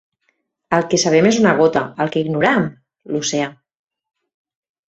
El que sabem és una gota; el que ignoram, l'oceà.